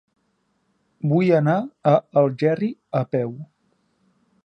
Vull anar a Algerri a peu.